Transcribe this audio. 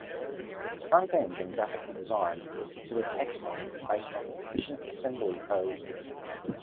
Its front-end and graphical design were considered excellent and based on efficient assembly code.